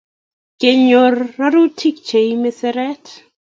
Kenyor rurutik Che emei siret